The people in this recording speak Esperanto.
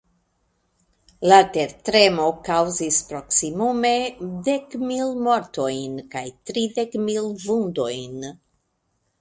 La tertremo kaŭzis proksimume dek mil mortojn kaj tridek mil vundojn.